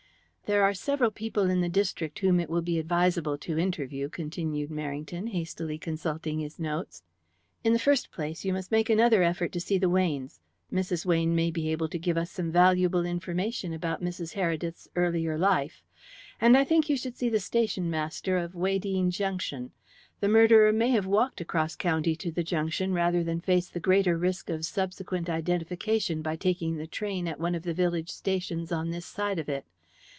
"There are several people in the district whom it will be advisable to interview," continued Merrington, hastily consulting his notes. "In the first place, you must make another effort to see the Weynes. Mrs. Weyne may be able to give us some valuable information about Mrs. Heredith's earlier life. And I think you should see the station master of Weydene Junction. The murderer may have walked across country to the junction rather than face the greater risk of subsequent identification by taking the train at one of the village stations on this side of it.